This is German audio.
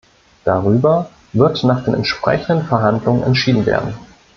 Darüber wird nach den entsprechenden Verhandlungen entschieden werden.